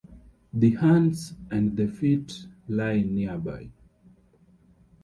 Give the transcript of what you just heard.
The hands, and the feet, lie nearby.